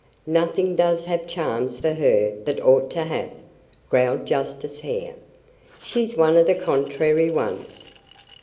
"Nothing does have charms for her that ought to have," growled Justice Hare. "She's one of the contrary ones.